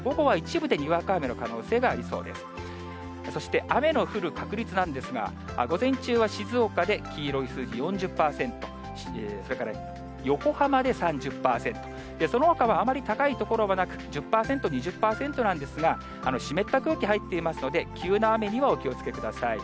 そして、雨の降る確率なんですが、午前中は静岡で黄色い数字、４０％、それから横浜で３０％、そのほかはあまり高い所はなく、１０％、２０％なんですが、湿った空気入っていますので、急な雨にはお気をつけください。